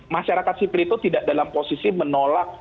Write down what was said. masyarakat sipil itu tidak dalam posisi menolak